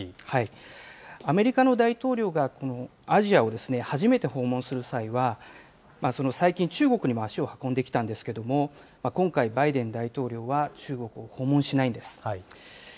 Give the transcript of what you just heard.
アメリカの大統領がアジアを初めて訪問する際は、最近、中国にも足を運んできたんですけれども、今回、バイデン大統領は中国を訪問しないんです。